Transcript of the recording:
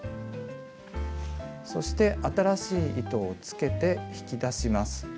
そして新しい糸をつけて引き出します。